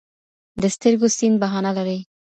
د سترګو سيند بهانه لري